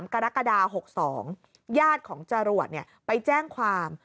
๓กรกฎา๖๒ยาดของจรวดเนี่ยไปแจ้งความ